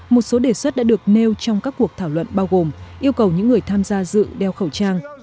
một số đề xuất đã được nêu trong các cuộc thảo luận bao gồm yêu cầu những người tham gia dự đeo khẩu trang